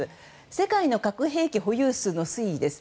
世界の核兵器保有数の推移です。